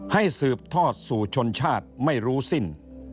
สืบทอดสู่ชนชาติไม่รู้สิ้น